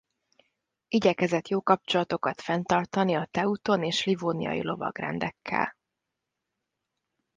Igyekezett jó kapcsolatokat fenntartani a Teuton és a Livóniai Lovagrendekkel.